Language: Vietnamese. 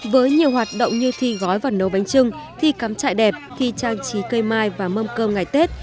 với nhiều hoạt động như thi gói và nấu bánh trưng thi cắm trại đẹp thi trang trí cây mai và mâm cơm ngày tết